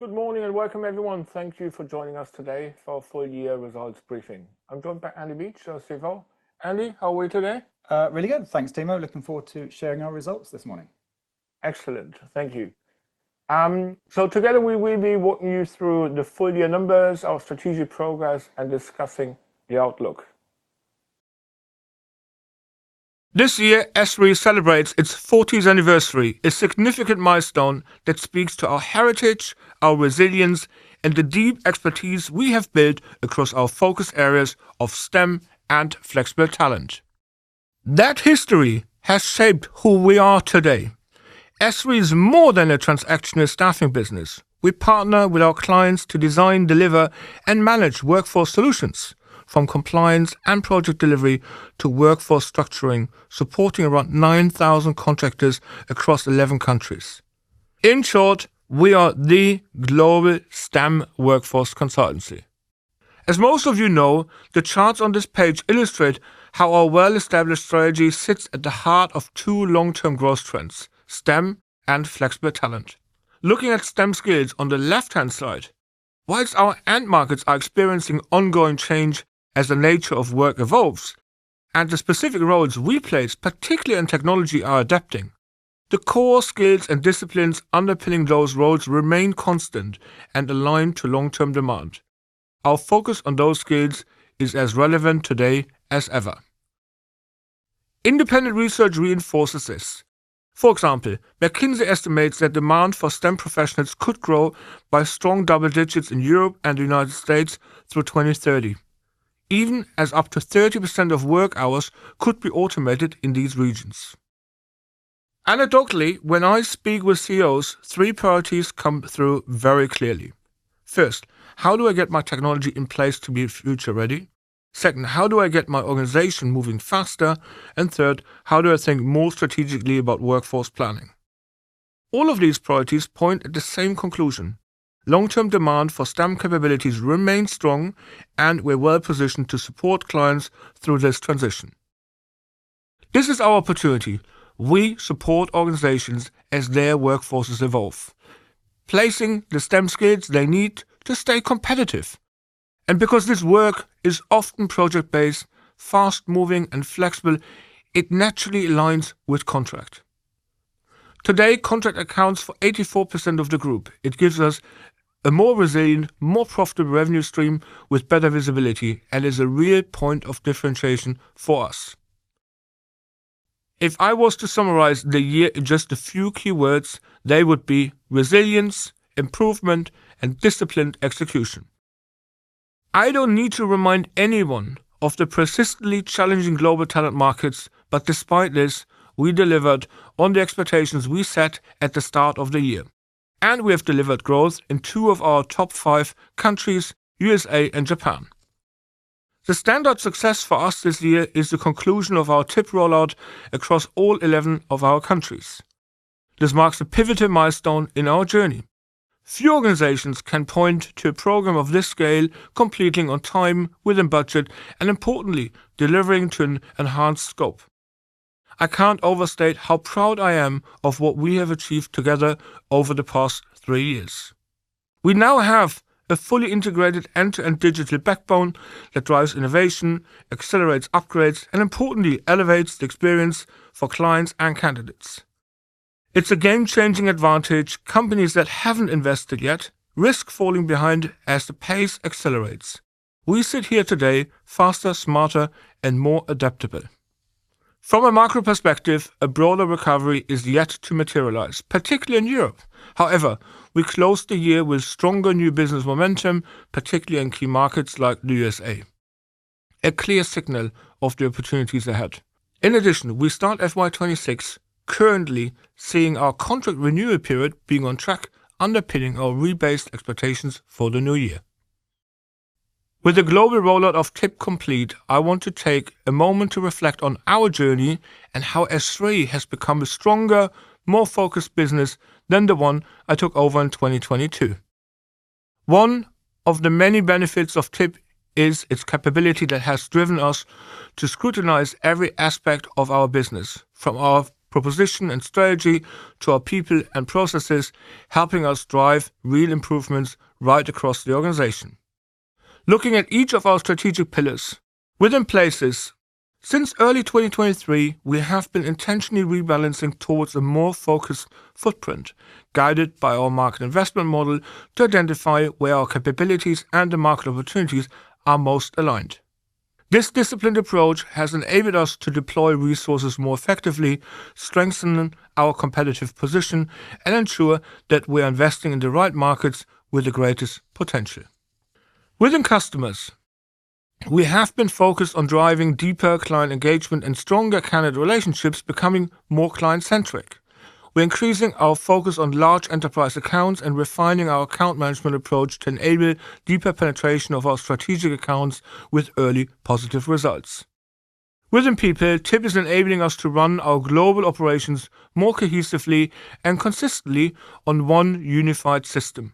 Good morning and welcome, everyone. Thank you for joining us today for our full-year results briefing. I'm joined by Andy Beach, our CFO. Andy, how are we today? Really good. Thanks, Timo. Looking forward to sharing our results this morning. Excellent. Thank you. So together, we will be walking you through the full-year numbers, our strategic progress, and discussing the outlook. This year, SThree celebrates its 40th anniversary, a significant milestone that speaks to our heritage, our resilience, and the deep expertise we have built across our focus areas of STEM and flexible talent. That history has shaped who we are today. SThree is more than a transactional staffing business. We partner with our clients to design, deliver, and manage workforce solutions, from compliance and project delivery to workforce structuring, supporting around 9,000 contractors across 11 countries. In short, we are the global STEM workforce consultancy. As most of you know, the charts on this page illustrate how our well-established strategy sits at the heart of two long-term growth trends: STEM and flexible talent. Looking at STEM skills on the left-hand side, while our end markets are experiencing ongoing change as the nature of work evolves and the specific roles we place, particularly in technology, are adapting, the core skills and disciplines underpinning those roles remain constant and aligned to long-term demand. Our focus on those skills is as relevant today as ever. Independent research reinforces this. For example, McKinsey estimates that demand for STEM professionals could grow by strong double digits in Europe and the United States through 2030, even as up to 30% of work hours could be automated in these regions. Anecdotally, when I speak with CEOs, three priorities come through very clearly. First, how do I get my technology in place to be future-ready? Second, how do I get my organization moving faster? And third, how do I think more strategically about workforce planning? All of these priorities point at the same conclusion: long-term demand for STEM capabilities remains strong, and we're well-positioned to support clients through this transition. This is our opportunity. We support organizations as their workforces evolve, placing the STEM skills they need to stay competitive. And because this work is often project-based, fast-moving, and flexible, it naturally aligns with contract. Today, contract accounts for 84% of the group. It gives us a more resilient, more profitable revenue stream with better visibility and is a real point of differentiation for us. If I was to summarize the year in just a few key words, they would be resilience, improvement, and disciplined execution. I don't need to remind anyone of the persistently challenging global talent markets, but despite this, we delivered on the expectations we set at the start of the year, and we have delivered growth in 2 of our top 5 countries, USA and Japan. The standard success for us this year is the conclusion of our TIP rollout across all 11 of our countries. This marks a pivotal milestone in our journey. Few organizations can point to a program of this scale, completing on time, within budget, and importantly, delivering to an enhanced scope. I can't overstate how proud I am of what we have achieved together over the past 3 years. We now have a fully integrated end-to-end digital backbone that drives innovation, accelerates upgrades, and importantly, elevates the experience for clients and candidates. It's a game-changing advantage. Companies that haven't invested yet risk falling behind as the pace accelerates. We sit here today faster, smarter, and more adaptable. From a macro perspective, a broader recovery is yet to materialize, particularly in Europe. However, we closed the year with stronger new business momentum, particularly in key markets like the USA, a clear signal of the opportunities ahead. In addition, we start FY26, currently seeing our contract renewal period being on track, underpinning our rebased expectations for the new year. With the global rollout of TIP complete, I want to take a moment to reflect on our journey and how S3 has become a stronger, more focused business than the one I took over in 2022. One of the many benefits of TIP is its capability that has driven us to scrutinize every aspect of our business, from our proposition and strategy to our people and processes, helping us drive real improvements right across the organization. Looking at each of our strategic pillars, we're in place. Since early 2023, we have been intentionally rebalancing towards a more focused footprint, guided by our Market Investment Model to identify where our capabilities and the market opportunities are most aligned. This disciplined approach has enabled us to deploy resources more effectively, strengthen our competitive position, and ensure that we are investing in the right markets with the greatest potential. Within customers, we have been focused on driving deeper client engagement and stronger candidate relationships, becoming more client-centric. We're increasing our focus on large enterprise accounts and refining our account management approach to enable deeper penetration of our strategic accounts with early positive results. Within people, TIP is enabling us to run our global operations more cohesively and consistently on one unified system.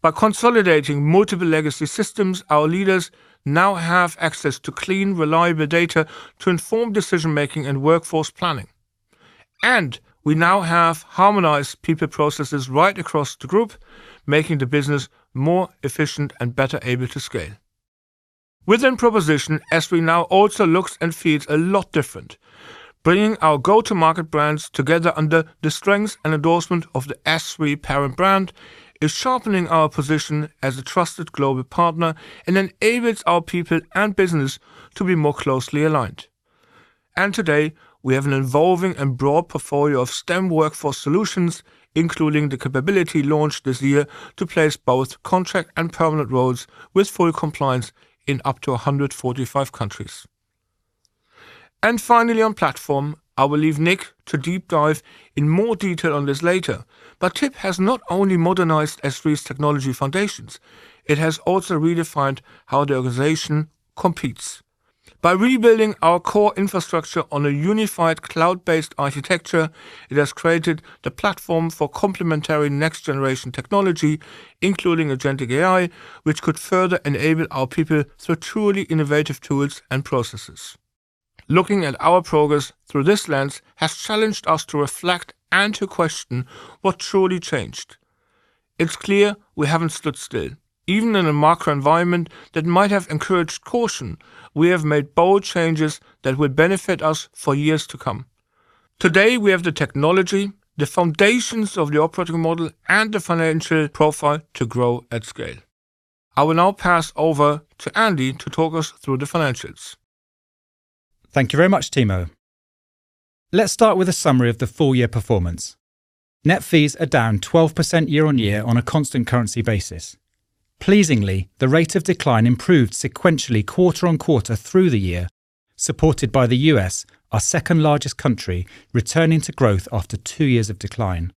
By consolidating multiple legacy systems, our leaders now have access to clean, reliable data to inform decision-making and workforce planning. We now have harmonized people processes right across the group, making the business more efficient and better able to scale. Within proposition, S3 now also looks and feels a lot different. Bringing our go-to-market brands together under the strength and endorsement of the S3 parent brand is sharpening our position as a trusted global partner and enables our people and business to be more closely aligned. Today, we have an evolving and broad portfolio of STEM workforce solutions, including the capability launched this year to place both contract and permanent roles with full compliance in up to 145 countries. Finally, on platform, I will leave Nick to deep dive in more detail on this later. But TIP has not only modernized SThree's technology foundations, it has also redefined how the organization competes. By rebuilding our core infrastructure on a unified cloud-based architecture, it has created the platform for complementary next-generation technology, including Agentic AI, which could further enable our people through truly innovative tools and processes. Looking at our progress through this lens has challenged us to reflect and to question what truly changed. It's clear we haven't stood still. Even in a macro environment that might have encouraged caution, we have made bold changes that will benefit us for years to come. Today, we have the technology, the foundations of the operating model, and the financial profile to grow at scale. I will now pass over to Andy to talk us through the financials. Thank you very much, Timo. Let's start with a summary of the full-year performance. Net fees are down 12% year-on-year on a constant currency basis. Pleasingly, the rate of decline improved sequentially quarter-on-quarter through the year, supported by the U.S., our second-largest country, returning to growth after two years of decline.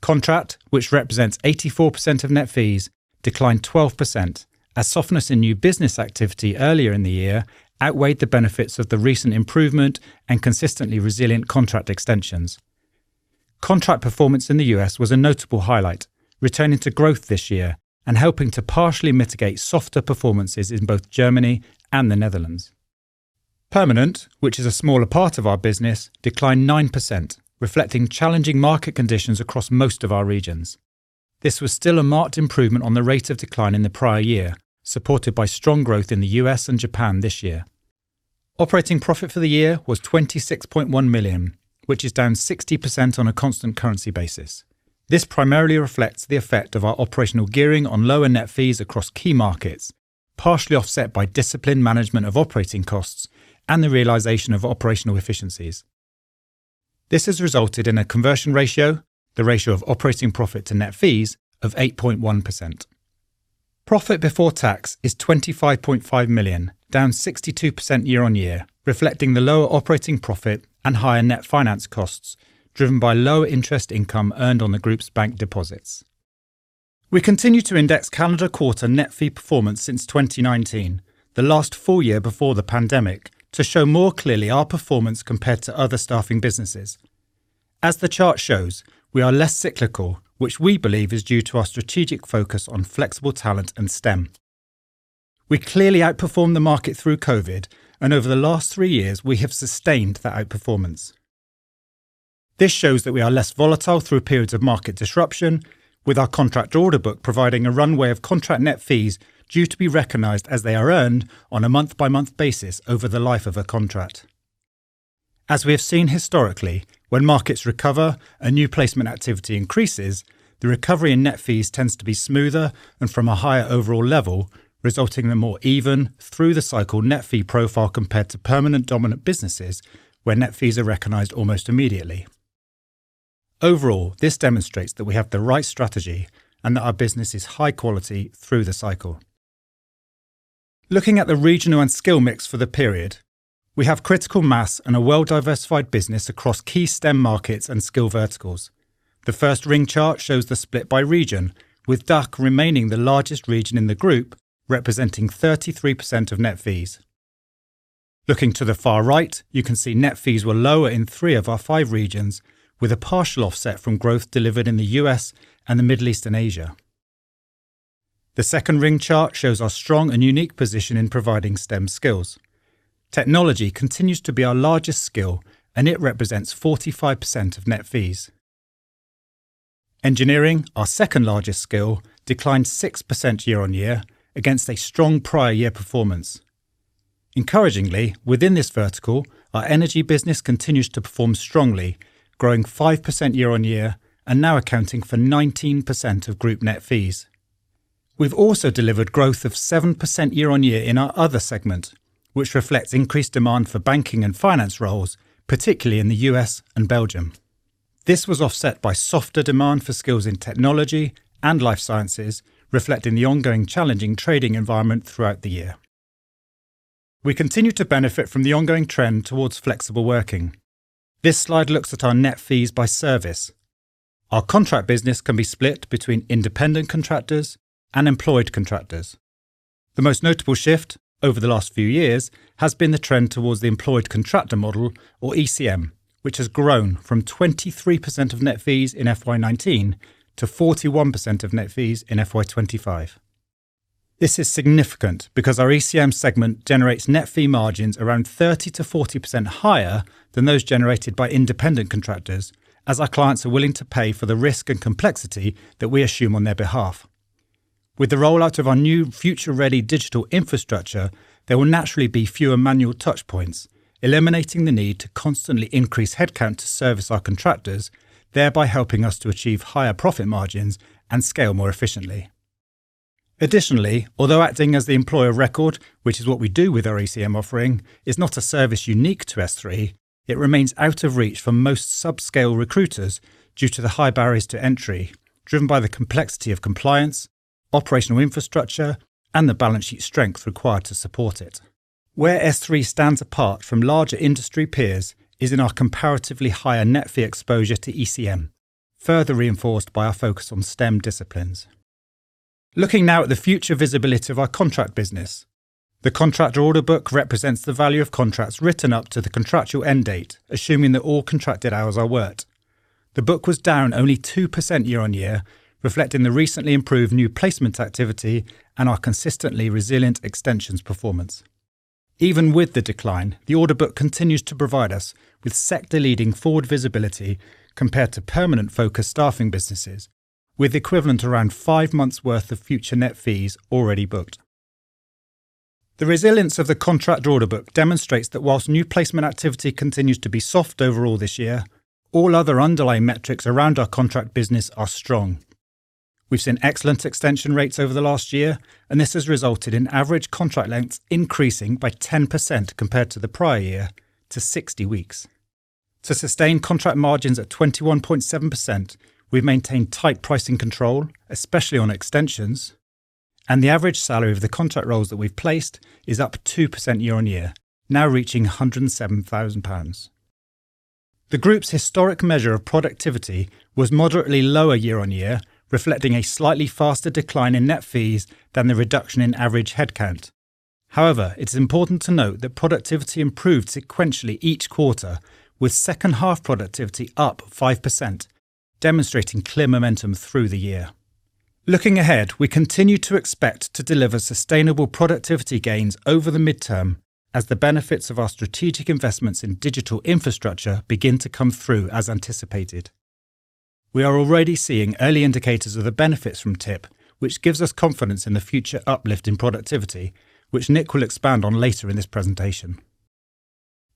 Contract, which represents 84% of net fees, declined 12%, as softness in new business activity earlier in the year outweighed the benefits of the recent improvement and consistently resilient contract extensions. Contract performance in the US was a notable highlight, returning to growth this year and helping to partially mitigate softer performances in both Germany and the Netherlands. Permanent, which is a smaller part of our business, declined 9%, reflecting challenging market conditions across most of our regions. This was still a marked improvement on the rate of decline in the prior year, supported by strong growth in the US and Japan this year. Operating profit for the year was 26.1 million, which is down 60% on a constant currency basis. This primarily reflects the effect of our operational gearing on lower net fees across key markets, partially offset by disciplined management of operating costs and the realization of operational efficiencies. This has resulted in a conversion ratio, the ratio of operating profit to net fees, of 8.1%. Profit before tax is 25.5 million, down 62% year-on-year, reflecting the lower operating profit and higher net finance costs driven by lower interest income earned on the group's bank deposits. We continue to index calendar quarter net fee performance since 2019, the last full year before the pandemic, to show more clearly our performance compared to other staffing businesses. As the chart shows, we are less cyclical, which we believe is due to our strategic focus on flexible talent and STEM. We clearly outperformed the market through COVID, and over the last three years, we have sustained that outperformance. This shows that we are less volatile through periods of market disruption, with our contract order book providing a runway of contract net fees due to be recognized as they are earned on a month-by-month basis over the life of a contract. As we have seen historically, when markets recover and new placement activity increases, the recovery in net fees tends to be smoother and from a higher overall level, resulting in a more even through-the-cycle net fee profile compared to permanent dominant businesses, where net fees are recognized almost immediately. Overall, this demonstrates that we have the right strategy and that our business is high quality through the cycle. Looking at the regional and skill mix for the period, we have critical mass and a well-diversified business across key STEM markets and skill verticals. The first ring chart shows the split by region, with DACH remaining the largest region in the group, representing 33% of net fees. Looking to the far right, you can see net fees were lower in three of our five regions, with a partial offset from growth delivered in the US and the Middle East and Asia. The second ring chart shows our strong and unique position in providing STEM skills. Technology continues to be our largest skill, and it represents 45% of net fees. Engineering, our second largest skill, declined 6% year-on-year against a strong prior year performance. Encouragingly, within this vertical, our energy business continues to perform strongly, growing 5% year-on-year and now accounting for 19% of group net fees. We've also delivered growth of 7% year-on-year in our other segment, which reflects increased demand for banking and finance roles, particularly in the US and Belgium. This was offset by softer demand for skills in technology and life sciences, reflecting the ongoing challenging trading environment throughout the year. We continue to benefit from the ongoing trend towards flexible working. This slide looks at our net fees by service. Our contract business can be split between independent contractors and employed contractors. The most notable shift over the last few years has been the trend towards the Employed Contractor Model, or ECM, which has grown from 23% of net fees in FY 2019 to 41% of net fees in FY 2025. This is significant because our ECM segment generates net fee margins around 30%-40% higher than those generated by independent contractors, as our clients are willing to pay for the risk and complexity that we assume on their behalf. With the rollout of our new future-ready digital infrastructure, there will naturally be fewer manual touchpoints, eliminating the need to constantly increase headcount to service our contractors, thereby helping us to achieve higher profit margins and scale more efficiently. Additionally, although acting as the employer of record, which is what we do with our ECM offering, is not a service unique to S3, it remains out of reach for most subscale recruiters due to the high barriers to entry, driven by the complexity of compliance, operational infrastructure, and the balance sheet strength required to support it. Where S3 stands apart from larger industry peers is in our comparatively higher net fee exposure to ECM, further reinforced by our focus on STEM disciplines. Looking now at the future visibility of our contract business, the contract order book represents the value of contracts written up to the contractual end date, assuming that all contracted hours are worked. The book was down only 2% year-on-year, reflecting the recently improved new placement activity and our consistently resilient extensions performance. Even with the decline, the order book continues to provide us with sector-leading forward visibility compared to permanent-focused staffing businesses, with the equivalent of around 5 months' worth of future net fees already booked. The resilience of the contract order book demonstrates that whilst new placement activity continues to be soft overall this year, all other underlying metrics around our contract business are strong. We've seen excellent extension rates over the last year, and this has resulted in average contract lengths increasing by 10% compared to the prior year, to 60 weeks. To sustain contract margins at 21.7%, we've maintained tight pricing control, especially on extensions, and the average salary of the contract roles that we've placed is up 2% year-on-year, now reaching 107,000 pounds. The group's historic measure of productivity was moderately lower year-over-year, reflecting a slightly faster decline in net fees than the reduction in average headcount. However, it is important to note that productivity improved sequentially each quarter, with second-half productivity up 5%, demonstrating clear momentum through the year. Looking ahead, we continue to expect to deliver sustainable productivity gains over the midterm as the benefits of our strategic investments in digital infrastructure begin to come through as anticipated. We are already seeing early indicators of the benefits from TIP, which gives us confidence in the future uplift in productivity, which Nick will expand on later in this presentation.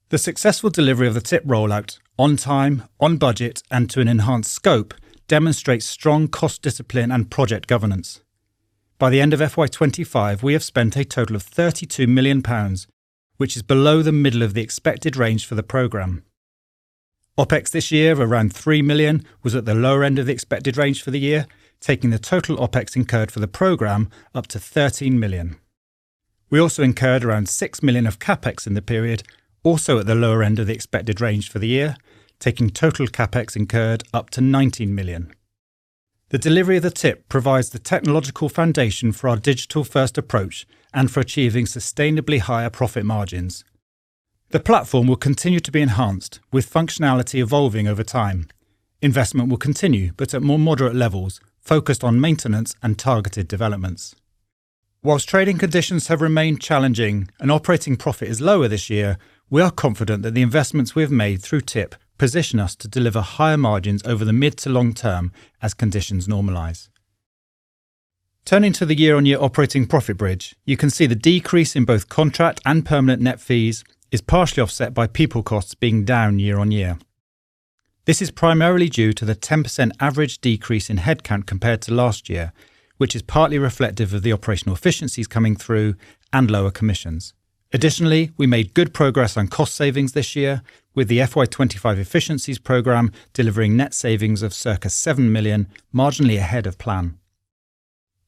The successful delivery of the TIP rollout on time, on budget, and to an enhanced scope demonstrates strong cost discipline and project governance. By the end of FY25, we have spent a total of 32 million pounds, which is below the middle of the expected range for the program. OPEX this year, around 3 million, was at the lower end of the expected range for the year, taking the total OPEX incurred for the program up to 13 million. We also incurred around 6 million of CAPEX in the period, also at the lower end of the expected range for the year, taking total CAPEX incurred up to 19 million. The delivery of the TIP provides the technological foundation for our digital-first approach and for achieving sustainably higher profit margins. The platform will continue to be enhanced, with functionality evolving over time. Investment will continue, but at more moderate levels, focused on maintenance and targeted developments. While trading conditions have remained challenging and operating profit is lower this year, we are confident that the investments we have made through TIP position us to deliver higher margins over the mid to long term as conditions normalize. Turning to the year-on-year operating profit bridge, you can see the decrease in both contract and permanent net fees is partially offset by people costs being down year-on-year. This is primarily due to the 10% average decrease in headcount compared to last year, which is partly reflective of the operational efficiencies coming through and lower commissions. Additionally, we made good progress on cost savings this year, with the FY25 efficiencies program delivering net savings of circa 7 million, marginally ahead of plan.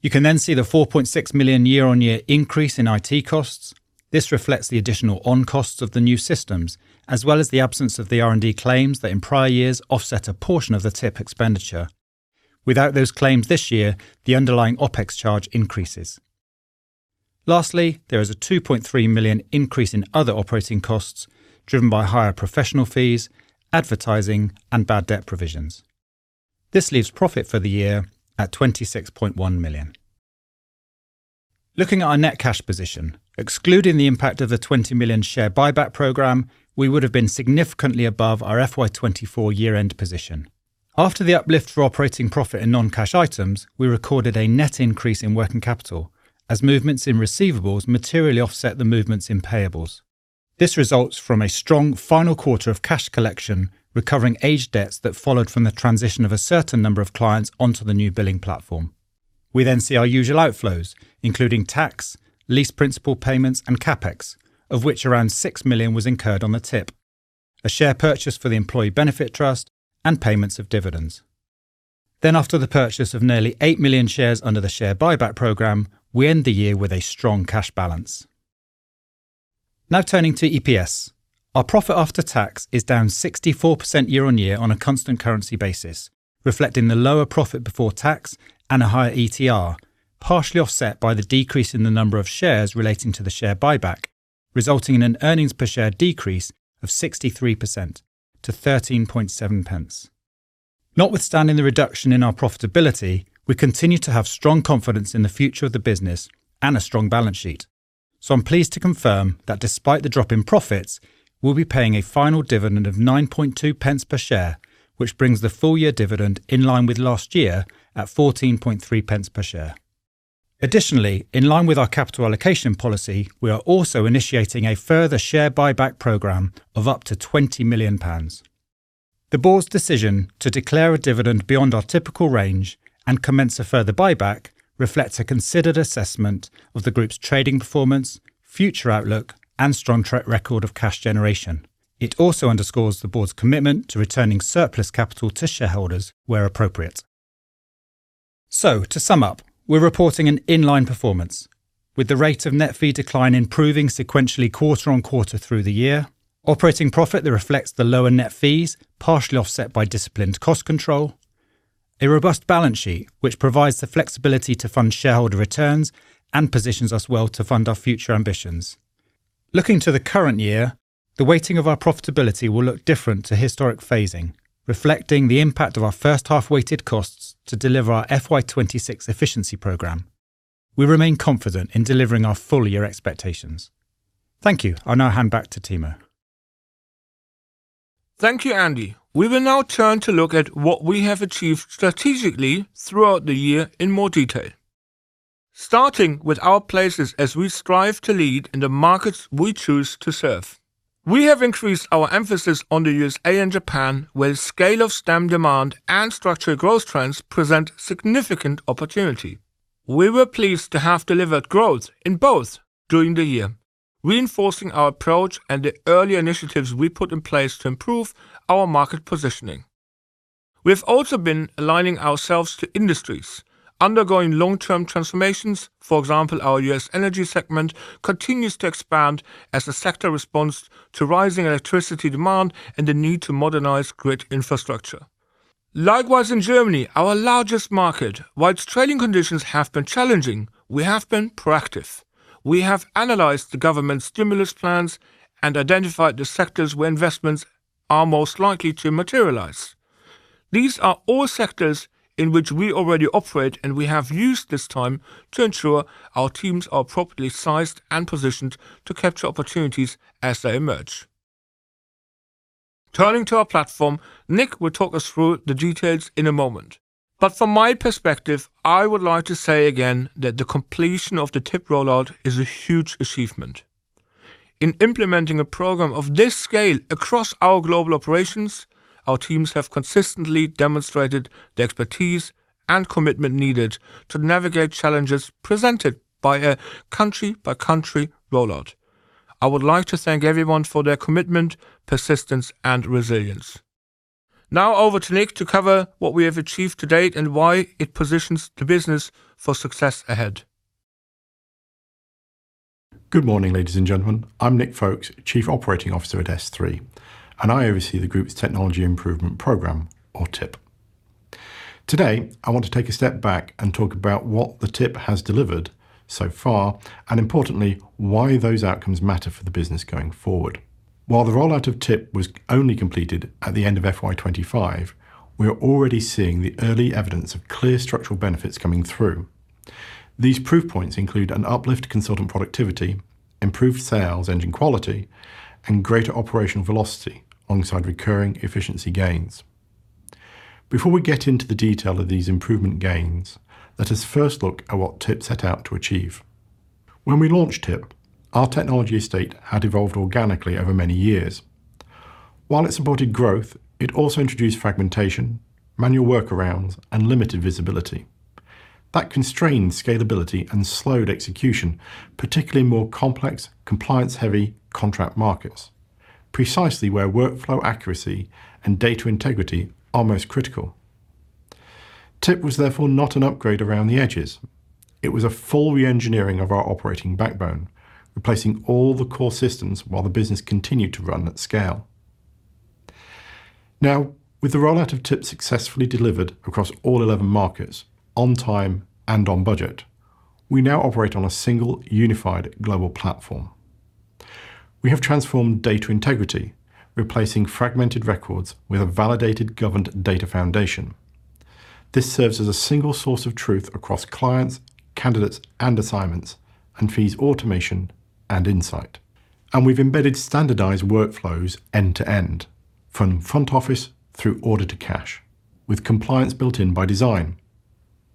You can then see the 4.6 million year-on-year increase in IT costs. This reflects the additional on-costs of the new systems, as well as the absence of the R&D claims that in prior years offset a portion of the TIP expenditure. Without those claims this year, the underlying OPEX charge increases. Lastly, there is a 2.3 million increase in other operating costs driven by higher professional fees, advertising, and bad debt provisions. This leaves profit for the year at 26.1 million. Looking at our net cash position, excluding the impact of the 20 million share buyback program, we would have been significantly above our FY 2024 year-end position. After the uplift for operating profit in non-cash items, we recorded a net increase in working capital, as movements in receivables materially offset the movements in payables. This results from a strong final quarter of cash collection recovering aged debts that followed from the transition of a certain number of clients onto the new billing platform. We then see our usual outflows, including tax, lease principal payments, and CapEx, of which around 6 million was incurred on the TIP, a share purchase for the Employee Benefit Trust, and payments of dividends. Then, after the purchase of nearly 8 million shares under the share buyback program, we end the year with a strong cash balance. Now turning to EPS, our profit after tax is down 64% year-on-year on a constant currency basis, reflecting the lower profit before tax and a higher ETR, partially offset by the decrease in the number of shares relating to the share buyback, resulting in an earnings per share decrease of 63% to 13.70. Notwithstanding the reduction in our profitability, we continue to have strong confidence in the future of the business and a strong balance sheet. So I'm pleased to confirm that despite the drop in profits, we'll be paying a final dividend of 9.20 per share, which brings the full-year dividend in line with last year at 14.30 per share. Additionally, in line with our capital allocation policy, we are also initiating a further share buyback program of up to 20 million pounds. The board's decision to declare a dividend beyond our typical range and commence a further buyback reflects a considered assessment of the group's trading performance, future outlook, and strong track record of cash generation. It also underscores the board's commitment to returning surplus capital to shareholders where appropriate. So, to sum up, we're reporting an inline performance, with the rate of net fee decline improving sequentially quarter on quarter through the year, operating profit that reflects the lower net fees, partially offset by disciplined cost control, a robust balance sheet which provides the flexibility to fund shareholder returns and positions us well to fund our future ambitions. Looking to the current year, the weighting of our profitability will look different to historic phasing, reflecting the impact of our first half-weighted costs to deliver our FY26 efficiency program. We remain confident in delivering our full-year expectations. Thank you. I'll now hand back to Timo. Thank you, Andy. We will now turn to look at what we have achieved strategically throughout the year in more detail, starting with our places as we strive to lead in the markets we choose to serve. We have increased our emphasis on the USA and Japan, where the scale of STEM demand and structural growth trends present significant opportunity. We were pleased to have delivered growth in both during the year, reinforcing our approach and the early initiatives we put in place to improve our market positioning. We have also been aligning ourselves to industries undergoing long-term transformations. For example, our U.S. energy segment continues to expand as the sector responds to rising electricity demand and the need to modernize grid infrastructure. Likewise, in Germany, our largest market, while its trading conditions have been challenging, we have been proactive. We have analyzed the government's stimulus plans and identified the sectors where investments are most likely to materialize. These are all sectors in which we already operate, and we have used this time to ensure our teams are properly sized and positioned to capture opportunities as they emerge. Turning to our platform, Nick will talk us through the details in a moment. But from my perspective, I would like to say again that the completion of the TIP rollout is a huge achievement. In implementing a program of this scale across our global operations, our teams have consistently demonstrated the expertise and commitment needed to navigate challenges presented by a country-by-country rollout. I would like to thank everyone for their commitment, persistence, and resilience. Now over to Nick to cover what we have achieved to date and why it positions the business for success ahead. Good morning, ladies and gentlemen. I'm Nick Folkes, Chief Operating Officer at SThree, and I oversee the group's Technology Improvement Programme, or TIP. Today, I want to take a step back and talk about what the TIP has delivered so far and, importantly, why those outcomes matter for the business going forward. While the rollout of TIP was only completed at the end of FY2025, we are already seeing the early evidence of clear structural benefits coming through. These proof points include an uplift in consultant productivity, improved sales engine quality, and greater operational velocity alongside recurring efficiency gains. Before we get into the detail of these improvement gains, let us first look at what TIP set out to achieve. When we launched TIP, our technology estate had evolved organically over many years. While it supported growth, it also introduced fragmentation, manual workarounds, and limited visibility. That constrained scalability and slowed execution, particularly in more complex, compliance-heavy contract markets, precisely where workflow accuracy and data integrity are most critical. TIP was therefore not an upgrade around the edges. It was a full re-engineering of our operating backbone, replacing all the core systems while the business continued to run at scale. Now, with the rollout of TIP successfully delivered across all 11 markets, on time and on budget, we now operate on a single, unified global platform. We have transformed data integrity, replacing fragmented records with a validated, governed data foundation. This serves as a single source of truth across clients, candidates, and assignments, and fees, automation, and insight. We've embedded standardized workflows end to end, from front office through order to cash, with compliance built in by design.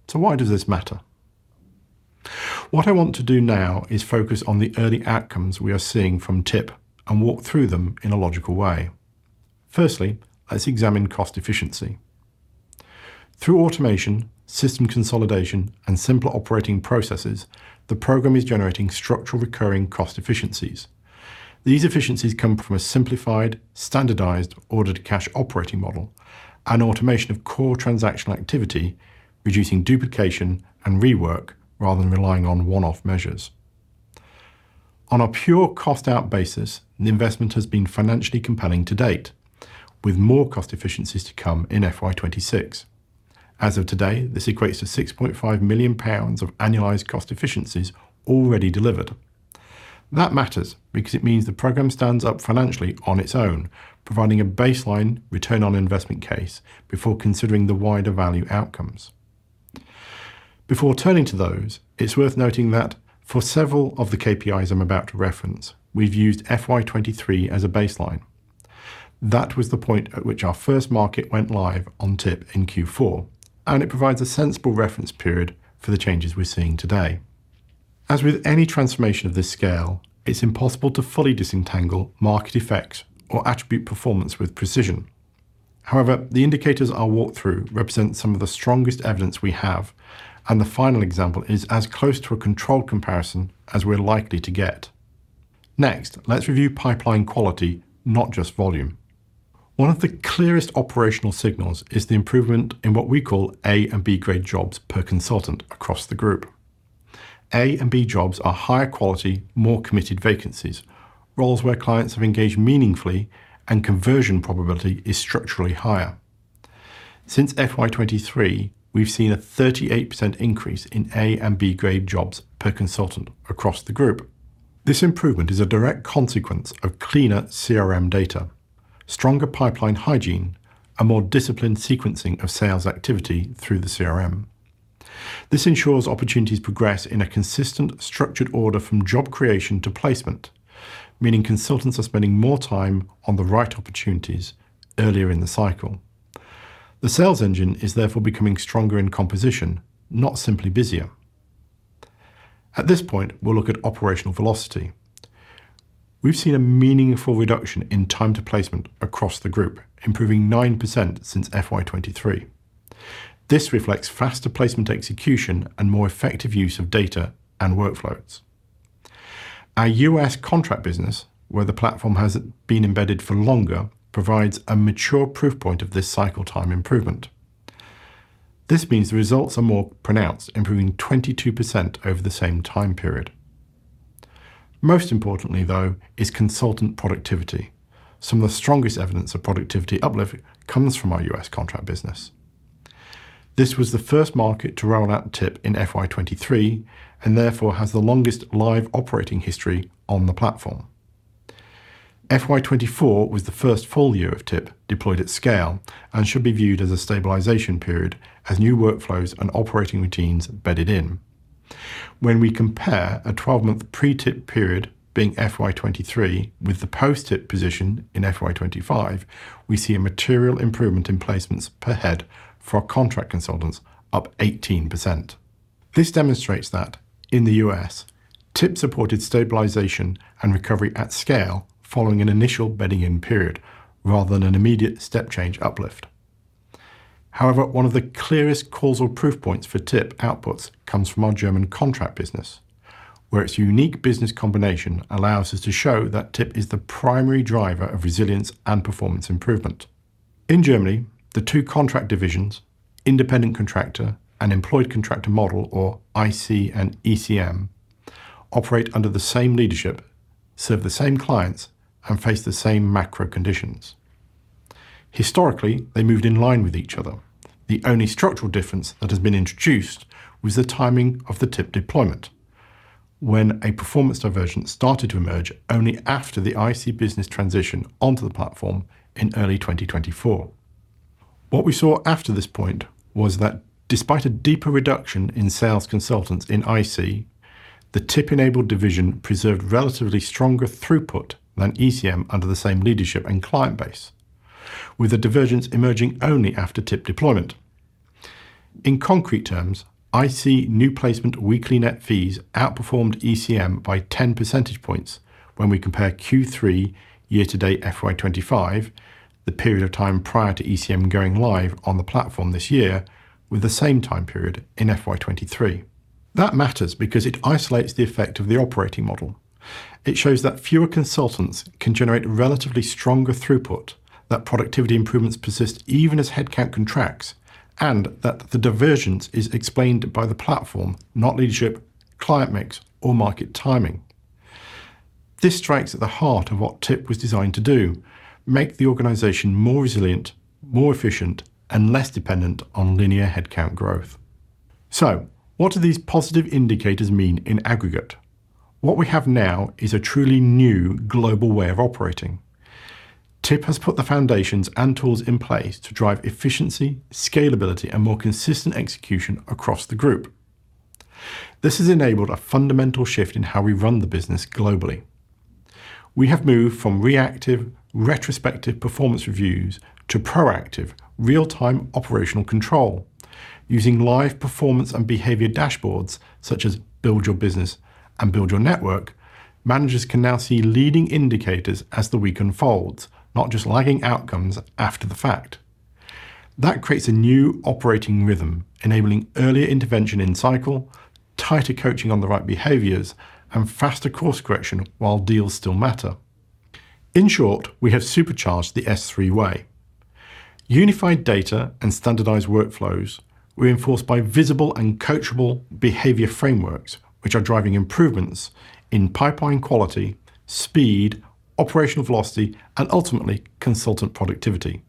So why does this matter? What I want to do now is focus on the early outcomes we are seeing from TIP and walk through them in a logical way. Firstly, let's examine cost efficiency. Through automation, system consolidation, and simpler operating processes, the program is generating structural recurring cost efficiencies. These efficiencies come from a simplified, standardized order to cash operating model and automation of core transactional activity, reducing duplication and rework rather than relying on one-off measures. On a pure cost-out basis, the investment has been financially compelling to date, with more cost efficiencies to come in FY26. As of today, this equates to 6.5 million pounds of annualized cost efficiencies already delivered. That matters because it means the program stands up financially on its own, providing a baseline return on investment case before considering the wider value outcomes. Before turning to those, it's worth noting that for several of the KPIs I'm about to reference, we've used FY23 as a baseline. That was the point at which our first market went live on TIP in Q4, and it provides a sensible reference period for the changes we're seeing today. As with any transformation of this scale, it's impossible to fully disentangle market effects or attribute performance with precision. However, the indicators I'll walk through represent some of the strongest evidence we have, and the final example is as close to a controlled comparison as we're likely to get. Next, let's review pipeline quality, not just volume. One of the clearest operational signals is the improvement in what we call A and B grade jobs per consultant across the group. A and B jobs are higher quality, more committed vacancies, roles where clients have engaged meaningfully, and conversion probability is structurally higher. Since FY 2023, we've seen a 38% increase in A and B grade jobs per consultant across the group. This improvement is a direct consequence of cleaner CRM data, stronger pipeline hygiene, and more disciplined sequencing of sales activity through the CRM. This ensures opportunities progress in a consistent, structured order from job creation to placement, meaning consultants are spending more time on the right opportunities earlier in the cycle. The sales engine is therefore becoming stronger in composition, not simply busier. At this point, we'll look at operational velocity. We've seen a meaningful reduction in time to placement across the group, improving 9% since FY2023. This reflects faster placement execution and more effective use of data and workflows. Our U.S. contract business, where the platform has been embedded for longer, provides a mature proof point of this cycle time improvement. This means the results are more pronounced, improving 22% over the same time period. Most importantly, though, is consultant productivity. Some of the strongest evidence of productivity uplift comes from our U.S. contract business. This was the first market to roll out TIP in FY23 and therefore has the longest live operating history on the platform. FY24 was the first full year of TIP deployed at scale and should be viewed as a stabilization period as new workflows and operating routines bedded in. When we compare a 12-month pre-TIP period being FY23 with the post-TIP position in FY25, we see a material improvement in placements per head for our contract consultants, up 18%. This demonstrates that in the US, TIP supported stabilization and recovery at scale following an initial bedding-in period rather than an immediate step change uplift. However, one of the clearest causal proof points for TIP outputs comes from our German contract business, where its unique business combination allows us to show that TIP is the primary driver of resilience and performance improvement. In Germany, the two contract divisions, Independent Contractor and employed contractor model, or IC and ECM, operate under the same leadership, serve the same clients, and face the same macro conditions. Historically, they moved in line with each other. The only structural difference that has been introduced was the timing of the TIP deployment, when a performance diversion started to emerge only after the IC business transitioned onto the platform in early 2024. What we saw after this point was that despite a deeper reduction in sales consultants in IC, the TIP-enabled division preserved relatively stronger throughput than ECM under the same leadership and client base, with the divergence emerging only after TIP deployment. In concrete terms, IC new placement weekly net fees outperformed ECM by 10 percentage points when we compare Q3 year-to-date FY 2025, the period of time prior to ECM going live on the platform this year, with the same time period in FY 2023. That matters because it isolates the effect of the operating model. It shows that fewer consultants can generate relatively stronger throughput, that productivity improvements persist even as headcount contracts, and that the divergence is explained by the platform, not leadership, client mix, or market timing. This strikes at the heart of what TIP was designed to do: make the organization more resilient, more efficient, and less dependent on linear headcount growth. So, what do these positive indicators mean in aggregate? What we have now is a truly new global way of operating. TIP has put the foundations and tools in place to drive efficiency, scalability, and more consistent execution across the group. This has enabled a fundamental shift in how we run the business globally. We have moved from reactive, retrospective performance reviews to proactive, real-time operational control. Using live performance and behavior dashboards such as Build Your Business and Build Your Network, managers can now see leading indicators as the week unfolds, not just lagging outcomes after the fact. That creates a new operating rhythm, enabling earlier intervention in cycle, tighter coaching on the right behaviors, and faster course correction while deals still matter. In short, we have supercharged the S3 way. Unified data and standardized workflows reinforced by visible and coachable behavior frameworks, which are driving improvements in pipeline quality, speed, operational velocity, and ultimately consultant productivity.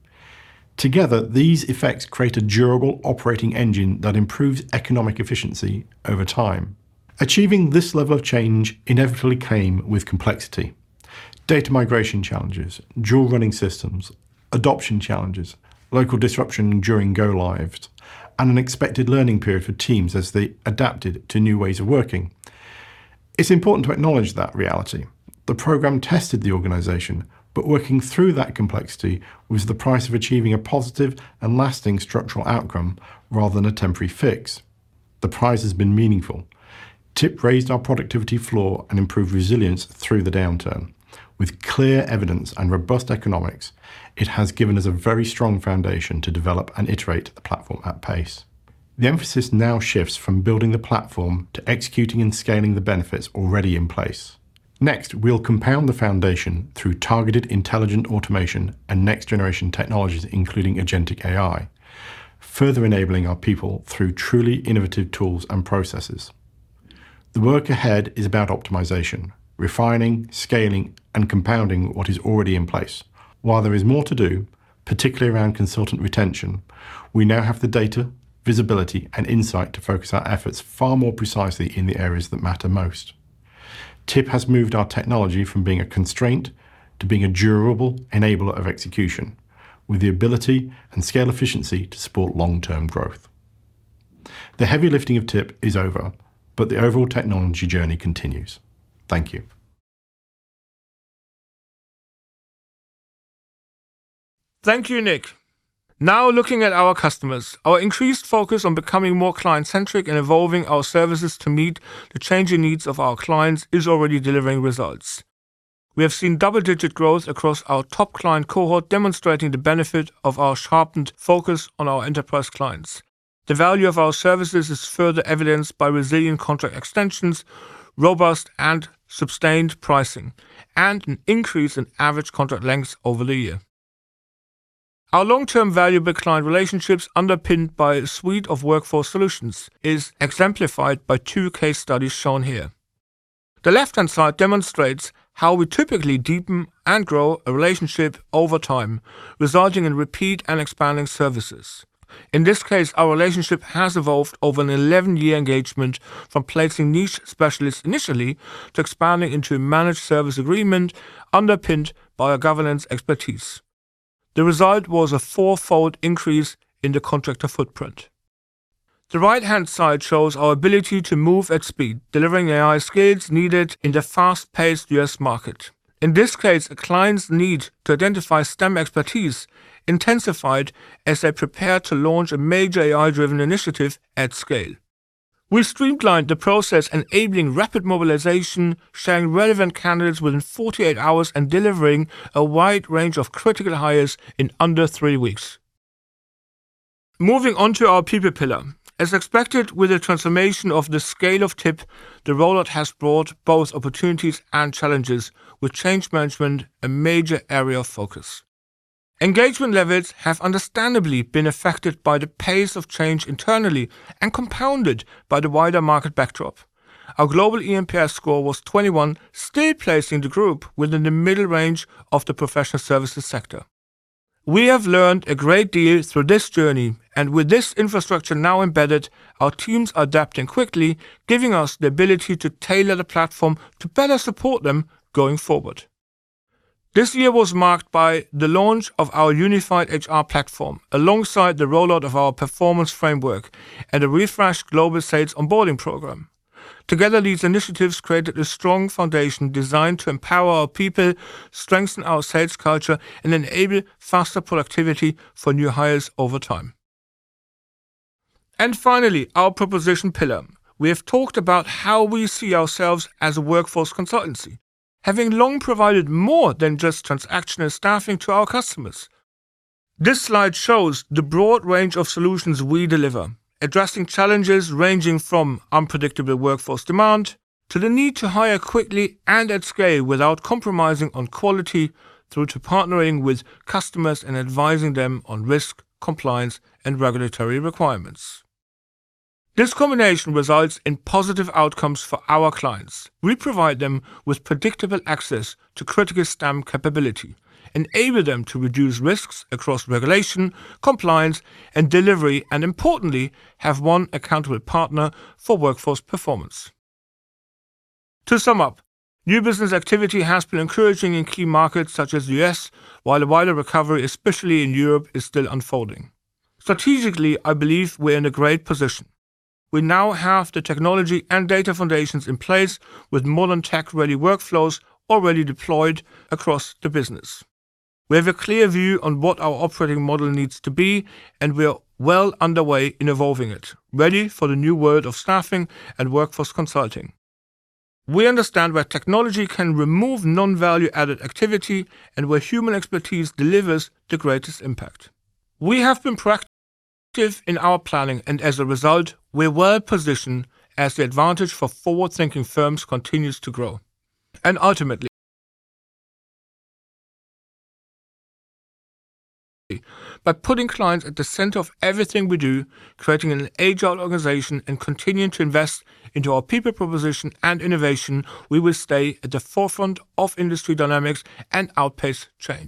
Together, these effects create a durable operating engine that improves economic efficiency over time. Achieving this level of change inevitably came with complexity: data migration challenges, dual running systems, adoption challenges, local disruption during go-lives, and an expected learning period for teams as they adapted to new ways of working. It's important to acknowledge that reality. The program tested the organization, but working through that complexity was the price of achieving a positive and lasting structural outcome rather than a temporary fix. The price has been meaningful. TIP raised our productivity floor and improved resilience through the downturn. With clear evidence and robust economics, it has given us a very strong foundation to develop and iterate the platform at pace. The emphasis now shifts from building the platform to executing and scaling the benefits already in place. Next, we'll compound the foundation through targeted intelligent automation and next-generation technologies, including agentic AI, further enabling our people through truly innovative tools and processes. The work ahead is about optimization, refining, scaling, and compounding what is already in place. While there is more to do, particularly around consultant retention, we now have the data, visibility, and insight to focus our efforts far more precisely in the areas that matter most. TIP has moved our technology from being a constraint to being a durable enabler of execution, with the ability and scale efficiency to support long-term growth. The heavy lifting of TIP is over, but the overall technology journey continues. Thank you. Thank you, Nick. Now, looking at our customers, our increased focus on becoming more client-centric and evolving our services to meet the changing needs of our clients is already delivering results. We have seen double-digit growth across our top client cohort, demonstrating the benefit of our sharpened focus on our enterprise clients. The value of our services is further evidenced by resilient contract extensions, robust and sustained pricing, and an increase in average contract lengths over the year. Our long-term valuable client relationships, underpinned by a suite of workforce solutions, are exemplified by two case studies shown here. The left-hand side demonstrates how we typically deepen and grow a relationship over time, resulting in repeat and expanding services. In this case, our relationship has evolved over an 11-year engagement from placing niche specialists initially to expanding into a managed service agreement, underpinned by our governance expertise. The result was a four-fold increase in the contractor footprint. The right-hand side shows our ability to move at speed, delivering AI skills needed in the fast-paced U.S. market. In this case, a client's need to identify STEM expertise intensified as they prepared to launch a major AI-driven initiative at scale. We streamlined the process, enabling rapid mobilization, sharing relevant candidates within 48 hours, and delivering a wide range of critical hires in under three weeks. Moving on to our people pillar. As expected, with the transformation of the scale of TIP, the rollout has brought both opportunities and challenges, with change management a major area of focus. Engagement levels have understandably been affected by the pace of change internally and compounded by the wider market backdrop. Our global eNPS score was 21, still placing the group within the middle range of the professional services sector. We have learned a great deal through this journey, and with this infrastructure now embedded, our teams are adapting quickly, giving us the ability to tailor the platform to better support them going forward. This year was marked by the launch of our unified HR platform, alongside the rollout of our Performance Framework and a refreshed global sales onboarding program. Together, these initiatives created a strong foundation designed to empower our people, strengthen our sales culture, and enable faster productivity for new hires over time. And finally, our proposition pillar. We have talked about how we see ourselves as a workforce consultancy, having long provided more than just transactional staffing to our customers. This slide shows the broad range of solutions we deliver, addressing challenges ranging from unpredictable workforce demand to the need to hire quickly and at scale without compromising on quality, through to partnering with customers and advising them on risk, compliance, and regulatory requirements. This combination results in positive outcomes for our clients. We provide them with predictable access to critical STEM capability, enable them to reduce risks across regulation, compliance, and delivery, and importantly, have one accountable partner for workforce performance. To sum up, new business activity has been encouraging in key markets such as the U.S., while a wider recovery, especially in Europe, is still unfolding. Strategically, I believe we're in a great position. We now have the technology and data foundations in place, with modern tech-ready workflows already deployed across the business. We have a clear view on what our operating model needs to be, and we're well underway in evolving it, ready for the new world of staffing and workforce consulting. We understand where technology can remove non-value-added activity and where human expertise delivers the greatest impact. We have been proactive in our planning, and as a result, we're well positioned as the advantage for forward-thinking firms continues to grow. And ultimately, by putting clients at the center of everything we do, creating an agile organization, and continuing to invest into our people proposition and innovation, we will stay at the forefront of industry dynamics and outpace change.